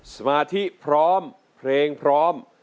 สมาธิพร้อมเพลงพร้อม